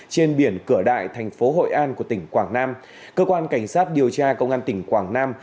trên biển cửa đại thành phố hội an của tỉnh quảng nam cơ quan cảnh sát điều tra công an tỉnh quảng nam